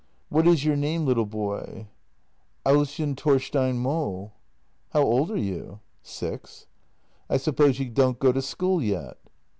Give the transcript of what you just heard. " What is you name, little boy? "" Ausjen Torstein Mo." " How old are you? "" Six." " I suppose you don't go to school yet?